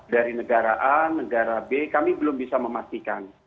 dari negara a negara b kami belum bisa memastikan